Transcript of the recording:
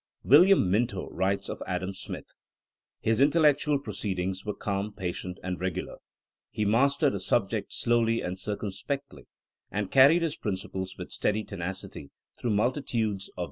''^ William Minto writes of Adam Smith :His intellectual proceedings were calm, patient, and regular: he mastered a subject slowly and cir cumspectly, and carried his principles with steady tenacity through multitudes of details i Autobiogra/phy, Vol.